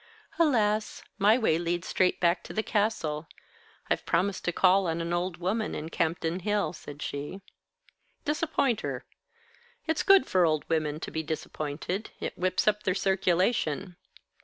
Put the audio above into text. "Alas, my way leads straight back to the Castle. I've promised to call on an old woman in Campden Hill," said she. "Disappoint her. It's good for old women to be disappointed. It whips up their circulation."